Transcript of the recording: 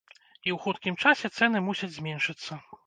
І ў хуткім часе цэны мусяць зменшыцца.